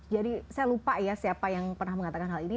jadi saya lupa ya siapa yang pernah mengatakan hal ini